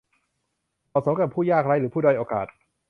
เหมาะสมแก่ผู้ยากไร้หรือผู้ด้อยโอกาส